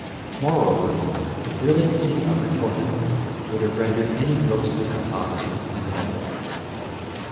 Moreover, the brilliancy of her toilet would have rendered any ghostly hypothesis untenable.